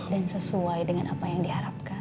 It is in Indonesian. dan sesuai dengan apa yang diharapkan